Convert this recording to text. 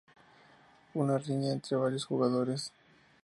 Una riña entre varios jugadores.